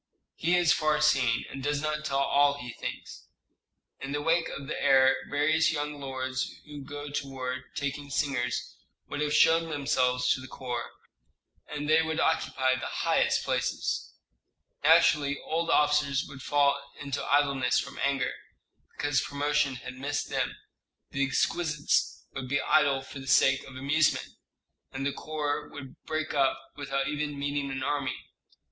"He is far seeing, and does not tell all he thinks. In the wake of the heir various young lords who go to war taking singers would have shoved themselves into the corps, and they would occupy the highest places. Naturally old officers would fall into idleness from anger, because promotion had missed them; the exquisites would be idle for the sake of amusement, and the corps would break up without even meeting an enemy.